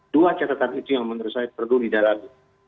dua catatan itu yang menurut saya perlu didalami